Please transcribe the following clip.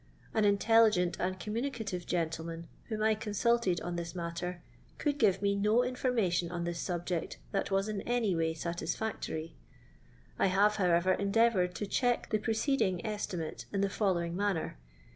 An Intelligent and communicative gentleman whom I coQsulted on this natter, could give me no in formation on thia subject that was in any way MUisfiictory. I have, however, endeavoured to dieck the preceding estimate in the following manner.